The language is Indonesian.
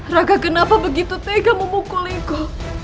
raga kenapa begitu tega memukuliku